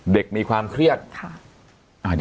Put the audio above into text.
เด็กมีความเครียดค่ะ